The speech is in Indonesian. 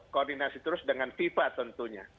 koordinasi terus dengan fifa tentunya